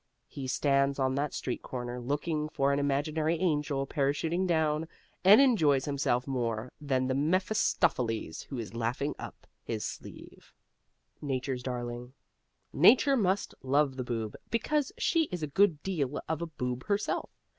He stands on that street corner looking for an imaginary angel parachuting down, and enjoys himself more than the Mephistopheles who is laughing up his sleeve. NATURE'S DARLING Nature must love the Boob, because she is a good deal of a Boob herself.